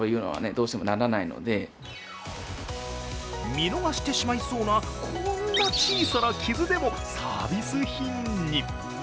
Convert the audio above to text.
見逃してしまいそうなこんな小さな傷でもサービス品に。